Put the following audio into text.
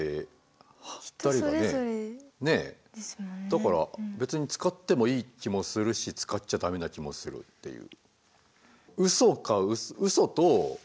だから別に使ってもいい気もするし使っちゃ駄目な気もするっていう。